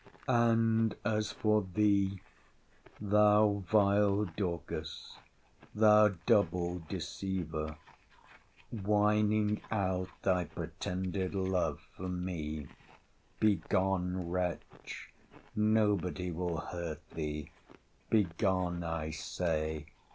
'And as for thee, thou vile Dorcas! Thou double deceiver!—whining out thy pretended love for me!—Begone, wretch!—Nobody will hurt thee!—Begone, I say!